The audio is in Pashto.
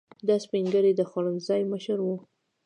دا سپین ږیری د خوړنځای مشر و.